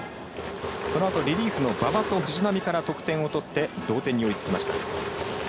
そのあとリリーフの馬場と藤浪から得点を取って同点に追いつきました。